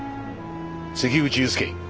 関口雄介